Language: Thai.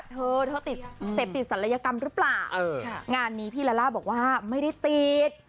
เธอเธอติดเสพติดศัลยกรรมหรือเปล่างานนี้พี่ลาล่าบอกว่าไม่ได้ติด